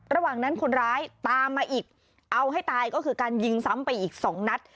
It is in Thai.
ระหว่างนั้นคนร้ายตามมาอีกเอาให้ตายก็คือการยิงซ้ำไปอีกสองนัด